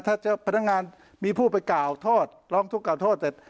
ถ้าเจ้าพนักงานมีผู้ไปกล่าวโทษร้องทุกข่าโทษเสร็จ